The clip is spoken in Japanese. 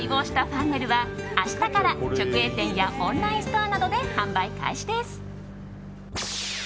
ふぁん寝るは明日から直営店やオンラインストアなどで販売開始です。